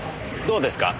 どうですか？